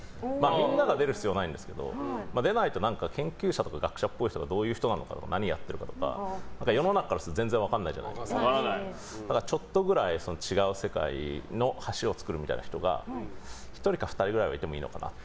みんなが出る必要はないですけど出ないと研究者とか学者っぽい人がどういう人なのか何やっているかとか世の中の人は全然分からないのでだからちょっとくらい違う世界の橋を作るみたいな人が１人か２人ぐらいはいてもいいのかなって。